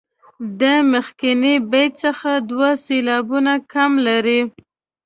د مخکني بیت څخه دوه سېلابونه کم لري.